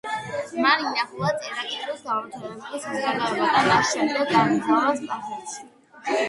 მან ინახულა წერა-კითხვის გამავრცელებელი საზოგადოება და შემდეგ გაემგზავრა სპარსეთში.